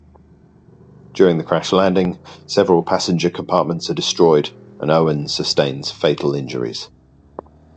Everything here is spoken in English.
During the crash landing, several passenger compartments are destroyed and Owens sustains fatal injuries.